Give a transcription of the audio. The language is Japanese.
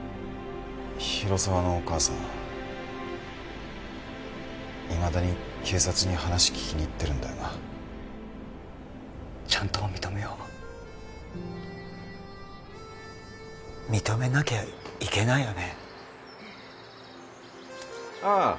広沢のお母さんいまだに警察に話聞きに行ってるんだよなちゃんと認めよう認めなきゃいけないよね・ああ